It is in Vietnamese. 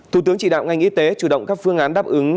thủ tướng chỉ đạo ngành y tế chủ động các phương án đáp ứng